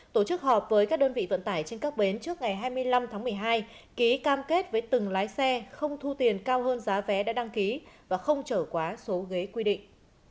tổ chức họp với các đơn vị vận tải trên các bến trước ngày hai mươi năm tháng một mươi hai ký cam kết với từng lái xe không thu tiền cao hơn giá vé đã đăng ký và không trở quá số ghế quy định